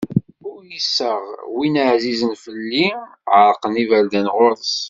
Uyseɣ win ɛzizen fell-i, ɛerqen yiberdan ɣur-s.